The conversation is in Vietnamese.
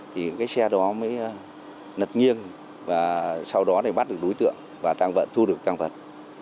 thì cái xe đó mới nập nghiêng và sau đó bắt được đối tượng và thu được tăng vật